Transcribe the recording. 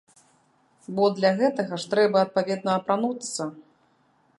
Бо для гэтага ж трэба адпаведна апрануцца.